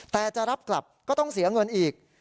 แต่จะรับกลับก็ต้องเสียเงินอีก